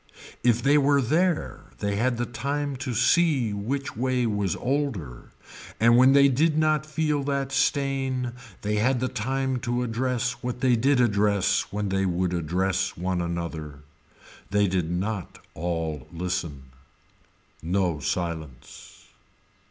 If they were there they had the time to see which way was older and when they did not feel that stain they had the time to address what they did address when they would address one another. They did not all listen. No silence.